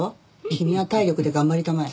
君は体力で頑張りたまえ。